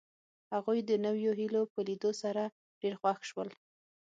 هغوی د نویو هیلو په لیدو سره ډېر خوښ شول